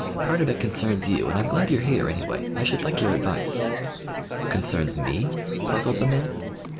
"Part of it concerns you, and I'm glad you're here, anyway. I should like your advice." "Concerns me?" puzzled the man.